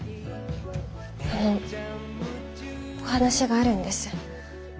あのお話があるんです。